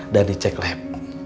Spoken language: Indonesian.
dan dicek lab